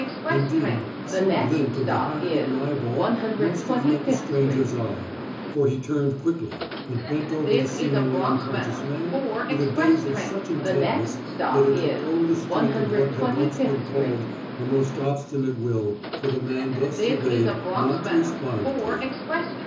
Indeed, some glint of the half hidden eyeball must have met the stranger's eye, for he turned quickly and bent over the seemingly unconscious man with a gaze of such intentness that it took all the strength of what had once been called a most obstinate will for the man thus surveyed not to respond to it.